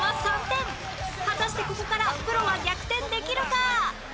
果たしてここからプロは逆転できるか？